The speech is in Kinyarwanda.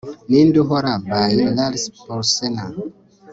Ninde uhora by Lars Porsena